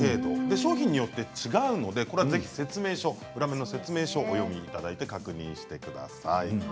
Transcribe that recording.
商品によって違うのでぜひ説明書をお読みいただいて確認してください。